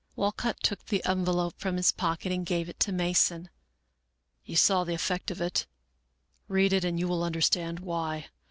Walcott took the envelope from his pocket and gave it to Mason. " You saw the effect of it ; read it and you will understand why.